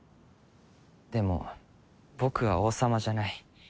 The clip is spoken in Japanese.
でも僕は王様じゃない。